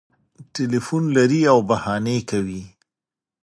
ټلیفون لري او بهانې کوي